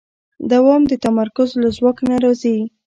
دوام د تمرکز له ځواک نه راځي.